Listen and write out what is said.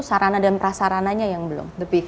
sarana dan prasarananya yang belum